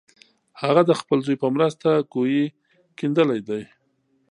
هغه د خپل زوی په مرسته کوهی کیندلی دی.